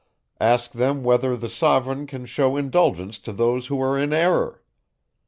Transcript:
Ask them, whether the sovereign can show indulgence to those who are in error?